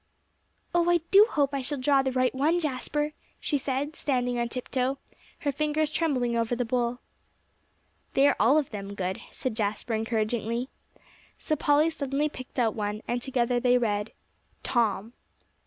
"Oh, I do hope I shall draw the right one, Jasper," she said, standing on tiptoe, her fingers trembling over the bowl. "They are all of them good," said Jasper encouragingly. So Polly suddenly picked out one; and together they read, "Tom."